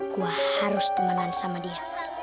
gue harus temenan sama dia